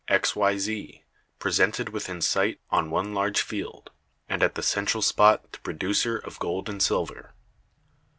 X, Y, Z, presented within sight on one large field, and at the central spot the producer of gold and silver.